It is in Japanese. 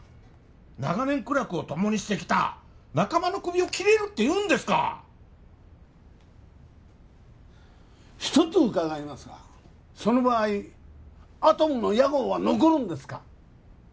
長年苦楽を共にしてきた仲間のクビを切れるっていうんですか一つ伺いますがその場合アトムの屋号は残るんですか